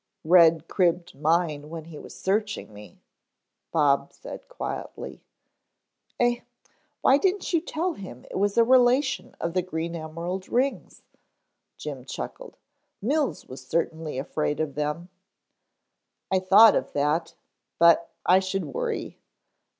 "Red cribbed mine when he was searching me," Bob said quietly. "Eh, why didn't you tell him it was a relation of the green emerald rings?" Jim chuckled. "Mills was certainly afraid of them." "I thought of that, but I should worry.